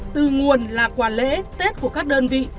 từ nguồn là quả lễ tết của các đơn vị